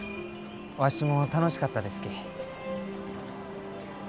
わしも楽しかったですき。